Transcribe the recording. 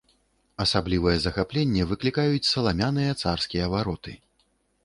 Асаблівае захапленне выклікаюць саламяныя царскія вароты.